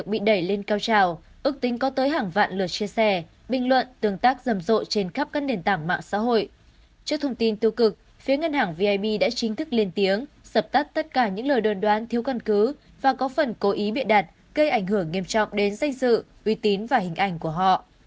trước thông tin tiêu cực phía ngân hàng vip đã chính thức liên tiếng sập tắt tất cả những lời đồn đoán thiếu căn cứ và có phần cố ý bịa đặt gây ảnh hưởng nghiêm trọng đến danh sự uy tín và hình ảnh của họ